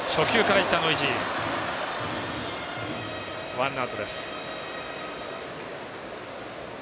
ワンアウトです。